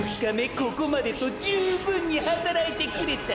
ここまでと十分に働いてくれた。